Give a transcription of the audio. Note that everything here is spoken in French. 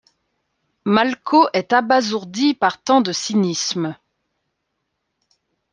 Malko est abasourdi par tant de cynisme.